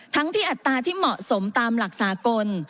ทั้งที่อัตราที่เหมาะสมตามหลักสากล